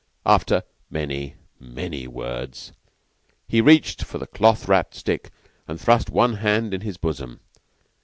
After many, many words, he reached for the cloth wrapped stick and thrust one hand in his bosom.